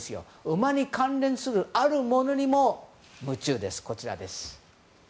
馬に関連するあるものにも夢中です。